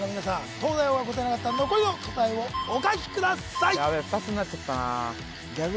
東大王が答えなかった残りの答えをお書きください